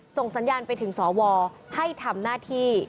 ส่งสัญญาณไปถึงสวให้ทำหน้าที่